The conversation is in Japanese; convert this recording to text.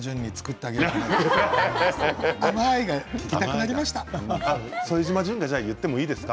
あまい！が聞きたくなりますか。